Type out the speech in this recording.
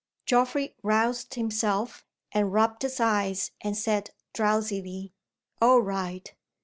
Geoffrey roused himself, and rubbed his eyes, and said, drowsily, "All right."